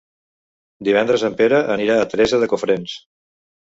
Divendres en Pere anirà a Teresa de Cofrents.